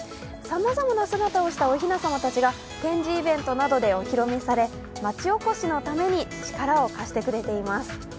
さまざまな姿をしたおひな様たちが展示イベントなどでお披露目され、町おこしのために力を貸してくれています。